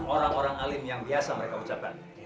orang orang alim yang biasa mereka ucapkan